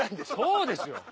そうですよ